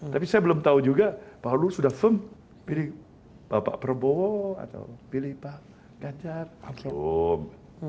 tapi saya belum tahu juga pak luhut sudah firm pilih bapak prabowo atau pilih pak ganjar pak firm